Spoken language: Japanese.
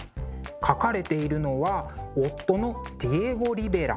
描かれているのは夫のディエゴ・リベラ。